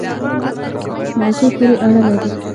موضوع پوری اړه لری